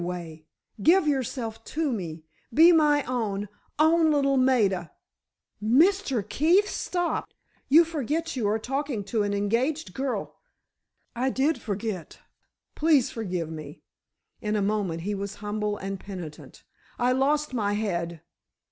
"Every way. Give yourself to me—be my own, own little Maida——" "Mr. Keefe, stop! You forget you are talking to an engaged girl——" "I did forget—please forgive me." In a moment he was humble and penitent. "I lost my head.